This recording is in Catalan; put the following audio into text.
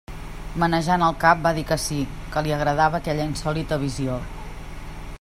Menejant el cap va dir que sí, que li agradava aquella insòlita visió.